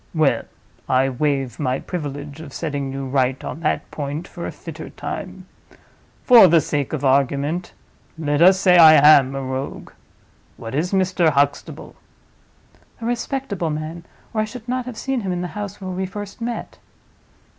Well, I waive my privilege of setting you right on that point for a fitter time. For the sake of argument, let us say I am a Rogue. What is Mr. Huxtable?" "A respectable man, or I should not have seen him in the house where we first met."